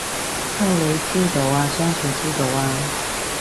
溝女之道啊相處之道啊